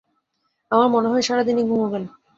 আমার মনে হয় সারা দিনই ঘুমুবেন!